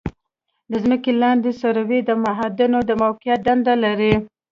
د ځمکې لاندې سروې د معادنو د موقعیت دنده لري